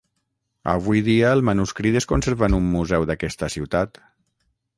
Avui dia el manuscrit es conserva en un museu d'aquesta ciutat.